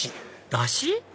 ダシ⁉